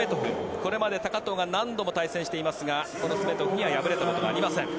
これまで高藤が何度も対戦していますがこのスメトフには敗れたことがありません。